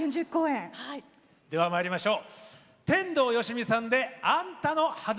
では、まいりましょう。